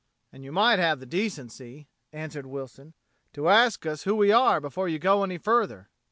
"And you might have the decency," answered Wilson, "to ask us who we are before you go any further."